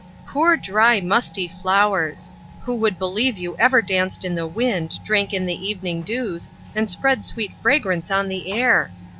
Poor, dry, musty flowers! Who would believe you ever danced in the wind, drank in the evening dews, and spread sweet fragrance on the air?